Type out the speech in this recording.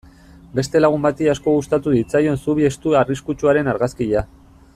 Beste lagun bati asko gustatu zitzaion zubi estu arriskutsuaren argazkia.